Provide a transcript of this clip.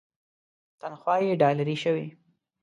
تنخوا یې ډالري شوې.